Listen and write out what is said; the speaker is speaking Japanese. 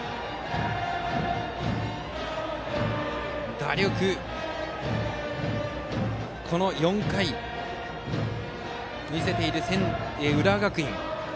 打力を、この４回見せている浦和学院。